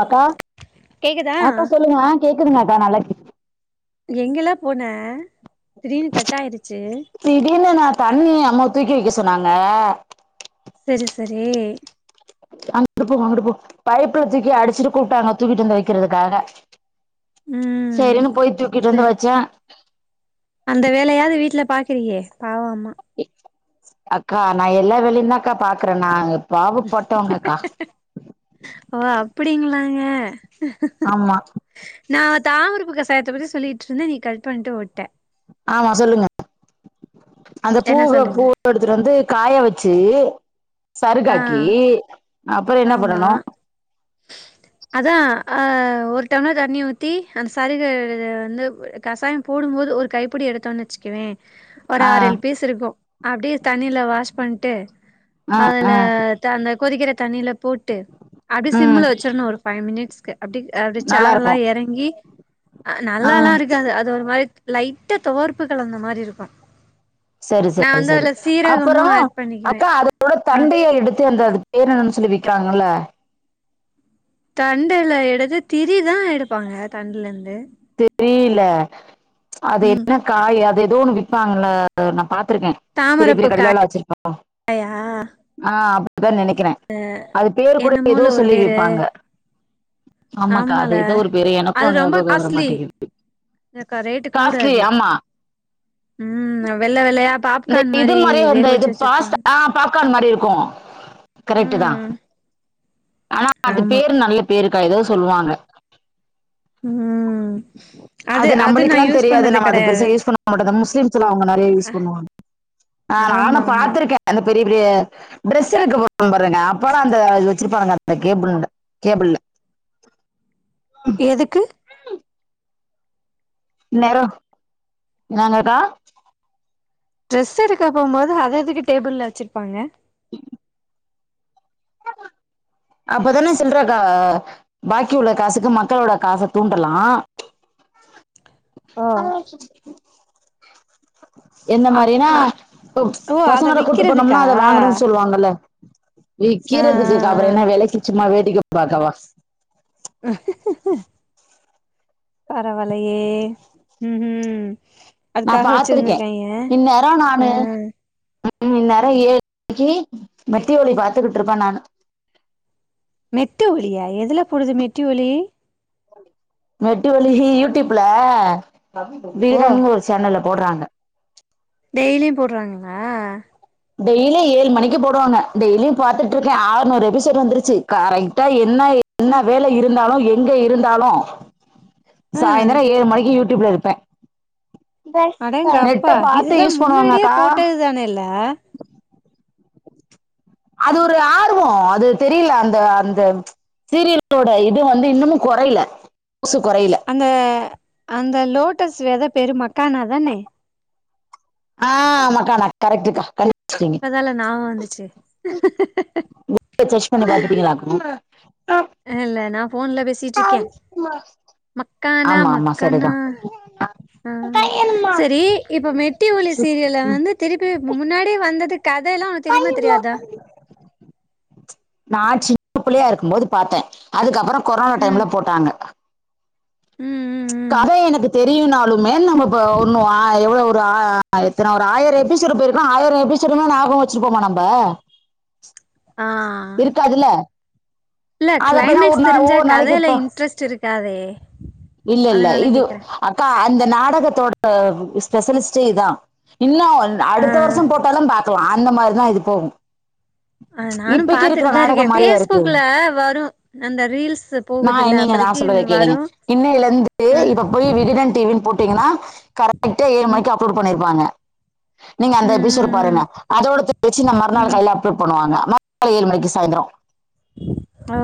அக்கா கேக்குதா அக்கா சொல்லுங்க ஆ கேக்குதுங்க அக்கா நல்லா கேக் எங்கலே போன திடீர்னு கட்டாயிருச்சி திடீனு நா தண்ணிய அம்மா தூக்கி வெக்க சொன்னாங்க செரி செரி பைப்புல தூக்கி அடிச்சிட்டு கூப்டாங்க தூக்கிட்டு வந்து வெக்கிறதுக்காக ம் சேரின்னு போயி தூக்கிட்டு வந்து செரி வெச்சே அந்த வேலையாது வீட்ல பாக்குறியே பாவோ அம்மா மா அக்கா நா எல்லா வேலையுந்தா அக்கா பாக்குறே நாங்க பாவ பட்டவங்க அக்கா ஓ அப்புடிங்களாங்க ஆமா நா தாமரப் பூ கசாயத்த பத்தி சொல்லிட்ருந்த நீ கட் பண்ட்டு ஓட்ட ஆமா சொல்லுங்க அந்த என்ன பூவ சொல்லுங்க பூ எடுத்துட்டு வந்து காய வச்சு ஆ சருகாக்கி அப்பற என்ன பண்ணணு அதா ஆ ஒரு டம்ளரா தண்ணி ஊத்தி அந்த சருக வந்து கசாய போடும்போது ஒரு கைப்பிடி எடுத்தோன்னு வெச்சுக்கவே [inaudible] ஒரு ஆறு ஏழு பீஸ் இருக்கு அப்டியே தண்ணில வாஷ் பண்ட்டு ஆ ஆ அதுல த அந்த கொதிக்கிற தண்ணில போட்டு அப்டியே ம் சிம்ல வச்சிற்ணு ஒரு ஃபைவ் மினிட்ஸ்க்கு அப்டி அப்டி நல்லா சாரெல்லா இருக்கு எறங்கி அ ஆ நல்லாலா இருக் காது அது ஒரு மாரி லைட்டா தொவற்ப்பு கலந்த மாரி இருக்கு சரி சரி சரி அப்பறோ சீரகமும் ஆட் பண்ணிக்குவேன். அக்கா அத அதோட அ தண்டையே எடுத்து அந்த அதுக்கு பேர் என்னணு சொல்லி விக்கிறாங்கல்ல தண்டுல எடுத்து திரி தா எடுப்பாங்க தண்டுலருந்து தெரிய்ல அது ம். என்ன காய் அது எதோ ஒன்னு விப்பாங்கல்ல நா பாத்துருக்கே பெரிய பெரிய தாமரப்பூ க கடைலலா வச்சிருப்பாங்கல ஆ அப்டிதா நெனைக்கிறே அது பேரு கூட எதோ என்னமோல ஒரு சொல்லி பேரு விப்பாங்க ஆமாக்கா ஆமால அது எதோ ஒரு பேரு அது எனக்கு ரொம்ப ஞாபக வர காஸ்ட்லி மாட் எனக்கா ரேட்டு கூட காஸ்ட்லி அது ஆமா ம் வெள்ள வெள்ளையா இந்த பாப்கார்ன் இது மாரி மாரியே வேக அந்த இது வச்சு பாஸ்த் வச்சிருப்பாங்க ஆ பாப்கார்ன் மாரி இருக்கு கரெக்ட்டு தா ம் ஆனா அது ஆமா பேரு நல்ல பேருக்கா எதோ சொல்லுவாங்க ம் அது நா நம்பளுக்குலா யூஸ் தெரியாது பண்ணது நம்ம அது கெடையாது பெருசா யூஸ் பண்ண மாட்டோ இந்த முஸ்லீம்ஸுலா அவ்ங்க நெறையா யூஸ் பண்ணுவாங்க ஆ நானு ஆமா ஆமா பாத்திருக்கே அந்த பெரிய பெரிய ட்ரெஸ் எடுக்க போவோ பாருங்க அப்பலா அந்த அது வெச்சிருப்பானுங்க அந்த கேபிள்ல கேபிள்ல எதுக்கு [unintelligible] இன்நேர என்னாங்கக்கா ட்ரெஸ் எடுக்க போம்போது அது எதுக்கு டேபிள்ல வெச்சிருப்பாங்க [inaudible] அப்பதானே சில்ற கா பாக்கி உள்ள காசுக்கு மக்களோட காச தூண்டலா [inaudible] ஓ என்ன அ மாரினா அ டுக் ஓ அத பசங்கள கூட்டு போனம்னா விக்கிறதுக்கா அத வாங்கணுன் சொல்லுவாங்கல்ல ஆ ஆ விக்கீறதுக்கு பாக்குறேனா வெலைக்கு சும்மா வேடிக்க பாக்கவா ஹஹிகக பரவால்லயே ம் ம் நா அதுக்காக பாத்திருக்கே வச்சிருந்திருக்காய்ங்க இன்நேர நானு ஆ ம் இன்நேர ஏழு மணிக்கு மெட்டி ஒலி பாத்துக்கிட்ருப்பே நானு மெட்டு ஒலியா எதுல போடுது மெட்டி ஒலி மெட்டி ஒலி இ யூட்டிப்ல ஓ வீரன்னு ஒரு சேனல்ல போட்றாங்க டெய்லியு போட்றாங்களா டெய்லியு ஏழு மணிக்கு போடுவாங்க டெய்லியு பாத்துட்ருக்கே ஆர்நூறு எபிசோட் வந்துருச்சு காரெக் டா என்ன அ என்ன வேல இருந்தாலு எங்க இருந்தாலு ஆ சாய்ந்தர ஏழு மணிக்கு யூட்டிப்ல இருப்பே நெட்ட பாத்து யூஸ் பண்ணுவாங்கக்கா இது ஒன்னு இல்ல அது ஒரு ஆர்வம் அது தெரில அந்த அந்த சீரியலோட இது வந்து இன்னமும் கொறைல மவுசு கொறைல அந்த அந்த லோட்டஸ் வெத பேரு மக்கானா தானே ஆ மாக்கானா கரெக்டு கா கண் புடிச்டிங்க இப்பதால ஞாபகோ வந்துச்சு புக்ல சர்ச் பண்ணி பாத்துடிங்களா அ ஆ இல்ல நா போன்ல பேசிட்டுருக்க மக்கானா ஆமா ஆமா மக்கனா சரிதா ஆ சரி இப்ப மெட்டி ஒலி சீரியல்ல வந்து திருப்பி முன்னாடியே வந்தது கதல்லாம் உனக்கு தெரியுமா தெரியாதா நா சின்ன பிள்ளையா இருக்கும் போது பாத்த அதுக்கப்றம் கொரோனா ம் டைம்ல போட்டாங்க ம் ம் ம் கத எனக்கு தெரியும்னாலும் மேம் நம்ம இப்ப ஒன்னும எவ்ளவு ஒரு எத்தன ஒரு ஆயிரம் எபிசோடு போயிருக்கும் ஆயிரம் எபிசோடுமே ஞாபக வச்சிப்போமா நம்ப ஆ இருக்காதுல்ல இல்ல அத போய்னா ஒரு கிளைமேக்ஸ் நா தெரிஞ்சா ஒவ்வொரு நாளைக்கு கதைல இப்ப இன்ட்ரெஸ்ட் இருக்காதே இல்ல இல்ல அதனால இது கேக்குறேன் அக்கா அந்த நாடகத்தோட ஸ்பெஷலிஸ்டே இதா இன்னு ஆ அடுத்த வருஷம் போட்ட போட்டாலும் பாக்கலாம் அந்த மாரிதா இது போகும் அத நானு பாத்துட்டு தா இருக்கே நாடகம் மாரியா இருக்கு பேஸ்புக்ல வரும் அந்த ரீல்ஸ் நா போகுதுல்ல என் நீங்க நா அப்பதைக்கு சொல்றத கேளுங்க வரும் இன்னையில இருந்து ஆ இப்ப போய் விகடன் டிவின்னு போட்டு டிங்கன்னா கரெக்ட்டா‌ ஏழு ம் மணிக்கு அப்லோட் பண்ணிருப்பாங்க நீங்க அந்த ம் எபிசோடு ம் பாருங்க அதோடத வெச்சு ந ம் மறுநாள் ம் காலைல அப்லோட் பண்வாங்க காலை ஏழு மணிக்கு சாயந்தரம் ஓ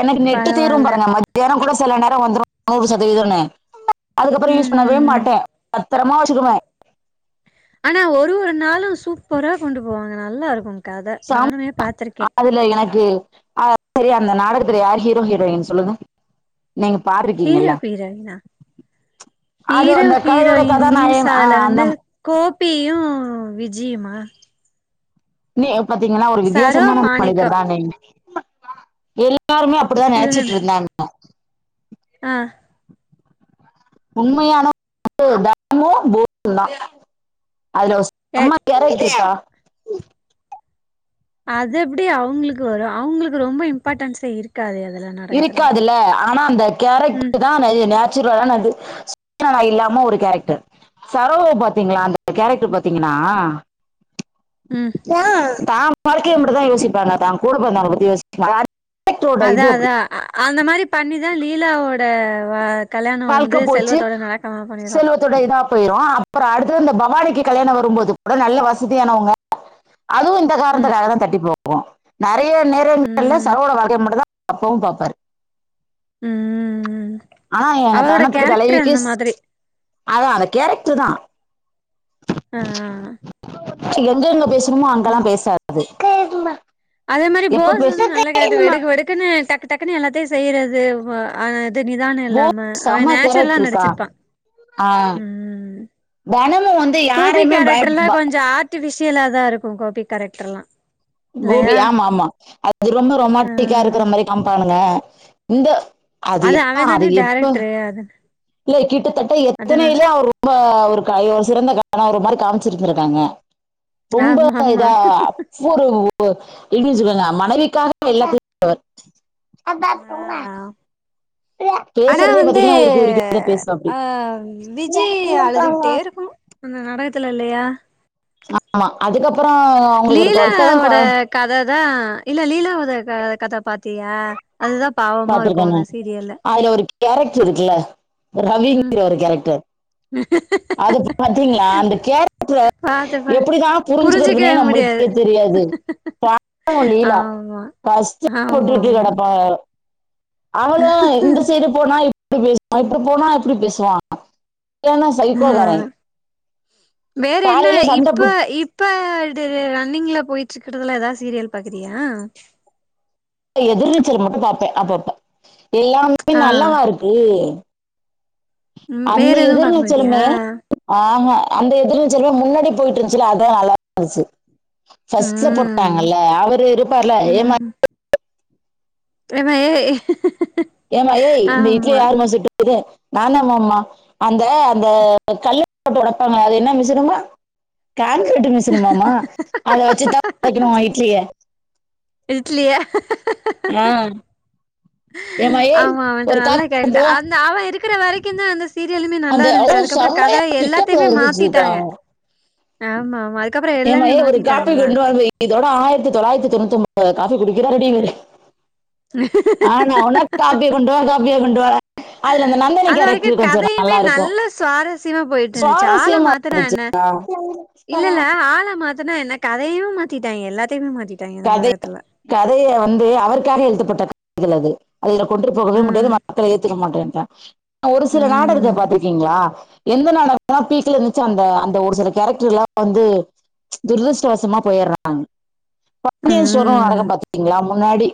எனக்கு நெட்டு தீரும் பரவால்ல பாருங்க மத்யானம் கூட சில நேரம் வந்துடும் நூறு சதவீதம்னு அதுக்கப்றம் ம் யூஸ் பண்ணவே ம் ம் மாட்டேன் பத்தரமா வச்சுக்குவேன் ஆனா ஒரு ஒரு நாளும் சூப்பரா கொண்டு போவாங்க நல்லா இருக்கும் கத நானுமே பாத்துருக்கேன் இல்ல எனக்கு ஆ சரி அந்த நாடகத்துல யார் ஹீரோ ஹீரோயின் சொல்லுங்க நீங்க ஹீரோ பாத்துருக்கீங்கல்ல ஹீரோயினா அது ஹீரோ அந்த கதயோட கதாநாயகன் ஆ கோப்பியும் விஜியுமா நீ பாத்தீங்கன்னா ஒரு சரோ வித்தியாசமான மாணிக்கம் மனிதர் தானே எல்லாருமே அப்டி அப்டிதான் நெனச்சிட்டு இருந்தாங்க அ உண்மயான எ [unintelligible] ஏற விட்டுருச்சா அது எப்டி அவங்களுக்கு வரும் அவங்களுக்கு ரொம்ப இம்பாட்டன்ஸே இருக் காதே அதுலல்லா இருக்காதுல்ல ஆனா அந்த ம் கேரக்டர் தா அது நேச்சுரலான அது ஸ்டிரிக்டான இல்லாம ஒரு கேரக்டர் சரோவ பாத்தீங்களா அந்த கேரட்டர் பாத்தீங்கன்னா ம் ஏ தா வாழ்க்கைய மட்டுதா யோசிப்பாளா தா கூடப்பொரந்தவளப்பத்தி யோசிக்க அதா அதா அந்த மாதிரி பண்ணிதா லீலாவோட வா கல்யாணோ வந்து செல்வத்தோட நடக்காம பண்ணிடுவா இப்ப இதா பொயிரு அப்றோ அடுத்து இந்த பவானிக்கு ம் கல்யாணோ வரும்போது கூட நல்ல வசதியானவங்க அதுவு இந்த ம் காரணத்துக்காகதா தட்டி போகு நறைய நேரங்கள்ல ம் சரோவோட வாழ்க்கை மட்டுதா அப்பவு பாப்பாரு ம் ம் ம் ஆனா எங்க தணத்துக்கு தலைவிக்கு அதா அந்த கேரக்ட்ருதா ஆ எங்க எங்க பேசணுமோ அங்கல்லா ம் பேசாது அதே மாதிரி எப்ப போஸ் பேச வந்து நல்லா கேரக்ட்ரு சரிம்மா வெடுக்கு வெடுக்குன்னு டக்கு டக்குன்னு எல்லாத்தியு செய்றது ஆனா இது நிதானோ இல்லாம அவ செம்ம நேச்சுரலா கேரக்டர் இருக்கா நடிச்சிருப்பா ம் தனலு வந் கோபி கேரக்ட்ருல்லா கொஞ்சோ ஆர்ட்டிபிஷியலா தா இருக்கு கோபி கேரக்ட்ருல்லா கோபி ஆமா ஆமா அது ரொம்ப ஆ ரொமாண்டிக்கா இருக்ற மாரி காமிப்பானுங்க இந்த அது எப்பா அது எப்ப கெடையாது இல்ல கிட்டத்தட்ட எத்தனையிலோ அவர் ரொம்ப ஒரு சிறந்த கணவர் சிறந்த கணவர் மாரி காமிச்சு இருந்திருக்காங்க ரொம்ப ஆமா ஆமா இதா ஒருவ்வொரு எழுதி வச்சுக்கோங்க மனைவிக்காக எல்லாத்தியு செய்றவர் அ ஆனா பேசுறதே வந்து பாத்தீங்கன்னா உருக்கி உருக்கிதா பேசுவாப்டி அ விஜி அழுதுகிட்டே இருக்க அந்த நாடகத்துல இல்லயா ஆமா அதுக்கப்றோ அவுங்ளுக்கு ஒரு கொழ இப்பதா கொழ கததா இல்ல லீலாவோத க கத பாத் தியா அதுதா பாவமா இருக்கு அந்த சீரியல்ல கேரக்ட்ரு இருக்குல்ல ம் ரவீங்குற ஒரு கேரக்டர் அது பாத்திங்களா அந்த கேரக்ட்ர பாத்தப்ப எப்புடிதா புரிஞ்சுக்கிறதுனே புரிஞ்சிக்கவே முடியாது நம்மளுக்கே தெரியாது பாவோ லீலா ஆமா கஷ்ட ஆமா பட்டுகிட்டு ஆமா கிடக்கு ஆ அவளு இந்த சைடு போனா இப்டி பேசுவா ஆப்டி போனா அப்டி பேசுவா சரியான ஆ சைகோக்காரே வேற என்ன காலைல சண்ட இப்ப போட் இப்ப இது ரன்னிங்ல பொயிட்டு இருக்றதுல ஏதாது சீரியல் பாக்குறியா எதிர்நீச்சல் மட்டு பாப்பே அப்பப்ப எல்லாமே ஆ நல்லாவா இருக் கு ம் அந்த வேற எதுவும் எதிர் பாக்க மாட்டியா நீச்சலுமே ஆமா அந்த எதிர் நீச்சலுமே முன்னாடி பொயிட்ருந்துச்சுல்ல அதா நல்லா இருந்துச்சு ஃபஸ்ட்ல ம் போட்டாங்கல்ல அவரு இருப்பார்ல அதே மாரி எமா ஏ ஏமா ஏய் இந்த இட்லிய ஆமா யாருமா சுட்டு து நான்தா மாமா அந்த அந்த கல்ல போட்டு ஒடப்பமா அது என்ன மிசினுமா கான்க்ரீட் மிசினு மாமா அத வச்சு தா ஒடைக்கனுமா ஓ இட்லிய இட்லிய ஆஹ் ஏமா ஏய் ஆமா அவன்ட்ட ஒரு நல்லா காப்பி கொண்டு கேட்டுட்டா வா அந் அவ இருக்கிற வரைக்குந்தா அந்த சீரியலுமே நல்லா அந்த ஓ இருந்துச்சு அதுக்கப்புறோ கத செம்மையா பிக்கப்ல எல்லாத்தயுமே இருந்துச்சுடா மாத்திட்டாங்க ஆமா மைக் ஏமா ஏய் ஒரு காப்பி கொண்டு வாந்து வை இதோட ஆயிரத்தி தொள்ளாயிரத்தி தொண்ணூத்தொம்போது காஃபி குடிக்கிறாருடி இவரு ஆனா ஊனா காபிய கொண்டு வா காபிய கொண்டு வால அது வரைக்கு கதையுமே நல்லா சுவாரஸ்யமா போயிட்டு இருந்துச்சு ஆள சுவாரஸ்யமா மாத் துனா இருந்துச்சு என்ன இல்லல்ல ஆள மாத்துனா என்ன கதையு மாத்திட்டாங்க எல்லாத்தயுமே மாத்திட்டாங்க இந்த கதை நாடகத்துல கதைய வந்து அவருக்காக எழுதப்பட்ட கதைகள் அது அதுல கொண்டு போகவே முடியாது ம் மக்களு ஏத்துக்க மாட்டேன்டாங்க ஒரு சில நாடகத்த ம் பாத்துருக் கீங்களா எந்த நாடகலா பீக்ல இருந்துச்சோ அந்த அந்த ஒரு சில கேரக்டர்லா வந்து துரதிருஷ்டவசமா போயிறாங்க பாண்டியன் ஸ்டோருனு ஒரு ம் நாடகோ பாத்திருக்கீங்களா முன்னாடி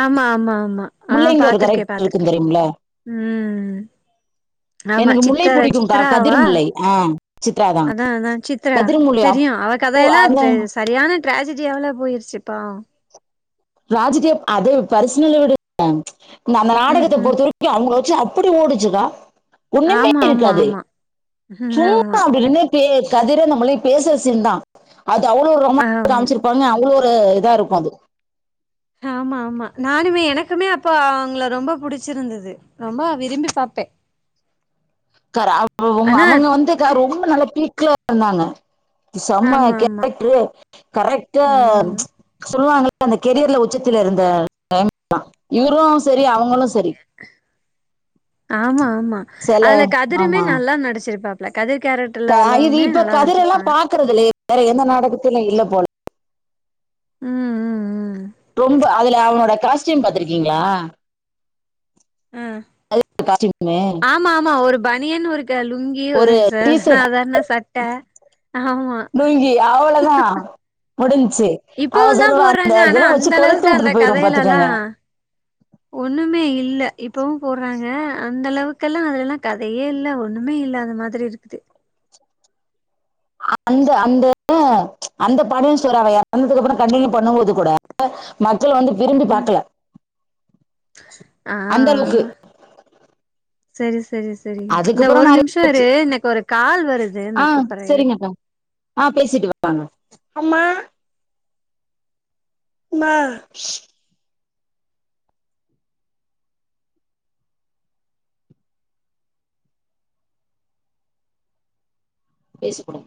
ஆமா ஆமா ஆமா ஆ முல்லைங்க ஒரு பாத்துருக்கே கேரக்டர் பாத்துருக்கே இருக்கும் தெரியுமில்ல ம் ஆமா எனக்கு முல்லை சித்த பிடிக்கும்க்கா கதிர் சித்ராவா முல்லை ஆ சித்ராதான் அதா அதா சித் த்ரா கதிர் முல்லை தெரியு அப்போ அவ கதையெல்லா அந்த ட்ரெ சரியான ட்ராஜ்டியாவுல போய்ருச்சு பாவோ ட்ராஜ்ஜிட்டியா அதே பர்சனல விடு [inaudible] இந்த அந்த ம் நாடகத்த ம் பொறுத்த வரையு ஏ அவுங்க வெச்சு அப்டி ஓடுச்சுக்கா ஒண்ணுமே ஆமா ஆமா இருக்காது ஆமா ம் ஆமா சும்மா அப்டி நின்னு தே கதிரு அந்த முல்லையு பேசுற சீன்தா அது அவ்ளோ ரொமான்ஸ் ஆமா காம்ச்சிரு ப்பாங்க அவ்ளோ ஒரு இதா இருக்கு அது ஆமா ஆமா நானுமே எனக்குமே அப்போ அவுங்கள ரொம்ப புடிச்சிருந்தது ரொம்ப விரும்பி பாப்பே க்காரா ஆனா அவுங்க வந்துக்கா ரொம்ப நல்ல பீக்ல இருந்தாங்க செம ஆமா ஆமா கேரக்டரு கரெக்ட்டா ம் சொல்லுவாங்கல்ல அந்த கெரியர்ல உச்சத்துல இருந்த டைம் தா இவரு செரி அவுங்களு ஆமா ஆமா சில அதுல கதிருமே ஆமா நல்லா நடிச்சிருப்பா இல்ல கதிர் கேரக்டர்ல உள்ளவுமே நல்லா நடிச்சிருப்பாங்க ருக்கறதுல வேற எந்த நாடகத்திலியு இல்ல போல ம் ம் ம் ரொம்ப அதுல அவனோட காஸ்டியூம் பாத்திருக்கீங்களா கதிர் காஸ்டியூமு மா ஆமா ஒரு பனியன் ஒரு க லுங்கி கி ஒரு சா சாதாரண சட்ட ஆமா லுங்கி அவ்வளவுதான் முடிஞ்சுச்சு அவ இப்பவும் தான் சொல்லுவா அந்த போடுறாங்க. ஆனா அதெல்லா வெச்சு அந்த கொழப்பி அளவுக்கு அந்த உட்டு போய்ருவே பாத்துக்கோங்க ஒன்னுமே இல்ல இப்பவு போட்றாங்க அந்த அளவுக்கெல்லா அது எல்லா கதையே இல்ல ஒன்னுமே இல்லாத மாத திரி இருக்குது அந்த அந்த அந்த பாண்டியன் ஸ்டோர் அவ எறந்ததுக்கப்பு வந்தக்கப்புறோ கண்டனியூ பண்ணும்போது கூட மக்கள் வந்து விரும்பி ம். பாக்கல ஆ அளவுக்கு சேரி சேரி சேரி இந்த அதுக்கப்புறம் ஒரு நிறைய நிமிஷம் இரு போச்சு எனக்கு ஒரு கால் வருது இந்த ஆ கூப்புட்றே இரு சரிங்கக்கா ஆ பேசிட்டு வாங்க அம்மா பேசிப்புடு